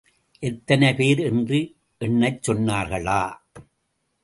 எத்தனை பேர் என்று எண்ணச் சொன்னார்களா?